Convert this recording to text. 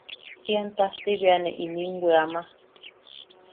Ian tajti bea ne inim weama.